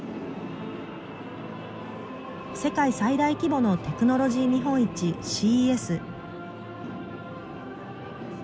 世界最大規模のテクノロジー見本市ＣＥＳ。